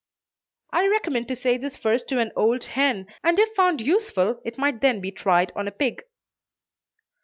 I recommend to say this first to an old hen, and if found useful it might then be tried on a pig.